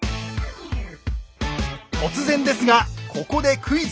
突然ですがここでクイズです。